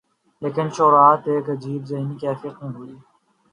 لیکن شروعات ایک عجیب ذہنی کیفیت میں ہوئی۔